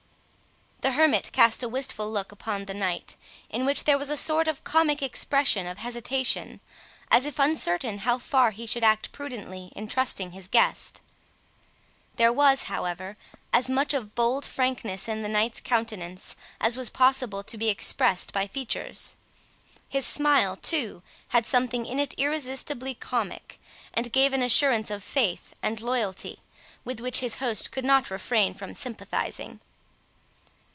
The hermit cast a wistful look upon the knight, in which there was a sort of comic expression of hesitation, as if uncertain how far he should act prudently in trusting his guest. There was, however, as much of bold frankness in the knight's countenance as was possible to be expressed by features. His smile, too, had something in it irresistibly comic, and gave an assurance of faith and loyalty, with which his host could not refrain from sympathizing.